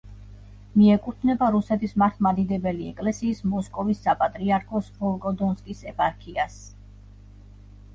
მიეკუთვნება რუსეთის მართლმადიდებელი ეკლესიის მოსკოვის საპატრიარქოს ვოლგოდონსკის ეპარქიას.